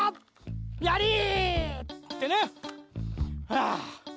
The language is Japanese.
ああ。